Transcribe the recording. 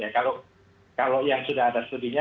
kalau yang sudah ada studinya